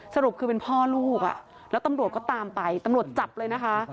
สรุปคือเป็นพ่อลูกอ่ะแล้วตำรวจก็ตามไปตำรวจจับเลยนะคะ